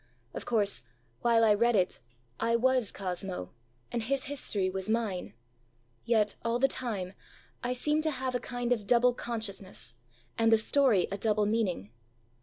Of course, while I read it, I was Cosmo, and his history was mine. Yet, all the time, I seemed to have a kind of double consciousness, and the story a double meaning.